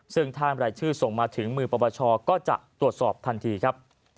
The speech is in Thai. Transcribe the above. ซึ่งถ้ารายชื่อส่งมาถึงมือปปชก็จะตรวจสอบทันทีครับ